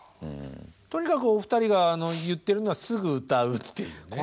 とにかくお二人が言ってるのはすぐ歌うっていうね。